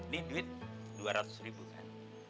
di duit dua ratus ribu kan